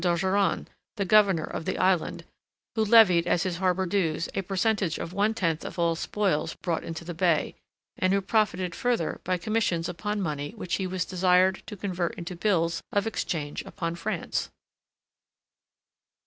d'Ogeron, the governor of the island, who levied as his harbour dues a percentage of one tenth of all spoils brought into the bay, and who profited further by commissions upon money which he was desired to convert into bills of exchange upon France.